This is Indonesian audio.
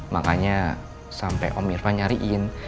makanya sampai om irfan nyariin